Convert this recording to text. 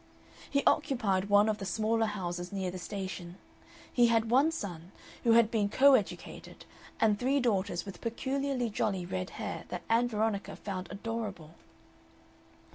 He occupied one of the smaller houses near the station. He had one son, who had been co educated, and three daughters with peculiarly jolly red hair that Ann Veronica found adorable.